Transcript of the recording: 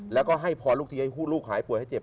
และให้พอลูกทีพูดลูกหายป่วยและเจ็บ